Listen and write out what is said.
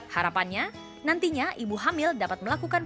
harapannya nantinya ibu hamil dapat melakukan